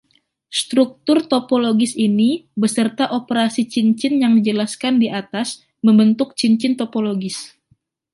Struktur topologis ini, beserta operasi cincin yang dijelaskan di atas, membentuk cincin topologis.